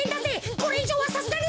これいじょうはさすがに。